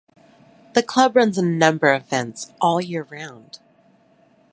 The club runs a number of events all year round.